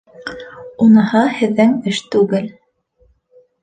Уныһы һеҙҙең эш түгел.